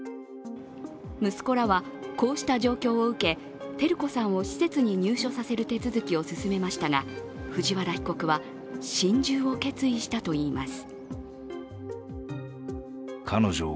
息子らは、こうした状況を受け照子さんを施設に入所させる手続きを進めましたが藤原被告は心中を決意したといいます。